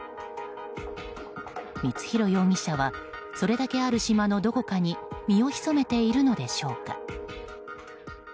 光弘容疑者はそれだけある島のどこかに身を潜めているのでしょうか。